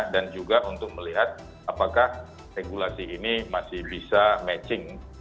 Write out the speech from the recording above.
dan juga untuk melihat apakah regulasi ini masih bisa matching